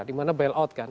dimana bail out kan